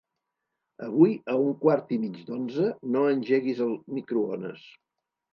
Avui a un quart i mig d'onze no engeguis el microones.